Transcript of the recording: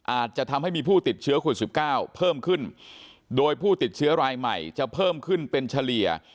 อาจจะทำให้มีผู้ติดเชื้อโควิด๑๙เพิ่มขึ้นโดยผู้ติดเชื้อรายใหม่จะเพิ่มขึ้นเป็นเฉลี่ย